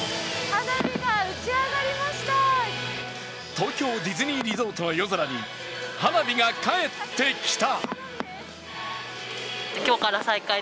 東京ディズニーリゾートの夜空に花火が帰ってきた。